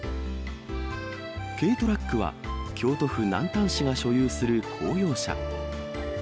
軽トラックは、京都府南丹市が所有する公用車。